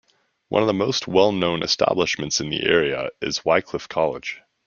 One of the most well known establishments in the area is Wycliffe College.